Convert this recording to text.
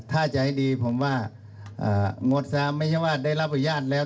ถ้าจะให้ดีผมว่าหมวดซ้ำไม่ใช่ว่าได้รับอนุญาตแล้ว